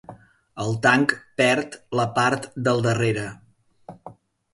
El tanc perd la part del darrere.